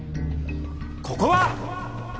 ここは！